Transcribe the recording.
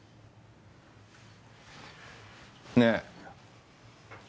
ねえ。